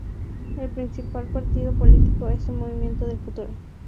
El principal partido político es el Movimiento del Futuro.